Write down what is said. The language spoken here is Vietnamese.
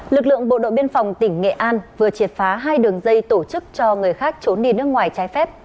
lực lượng bộ đội biên phòng tỉnh nghệ an vừa triệt phá hai đường dây tổ chức cho người khác trốn đi nước ngoài trái phép